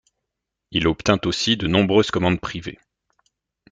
Il obtint aussi de nombreuses commandes privées.